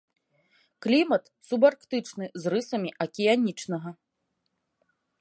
Клімат субарктычны, з рысамі акіянічнага.